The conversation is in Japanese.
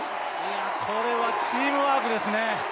これはチームワークですね。